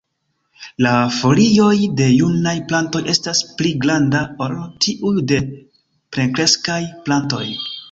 La folioj de junaj plantoj estas pli granda ol tiuj de plenkreskaj plantoj.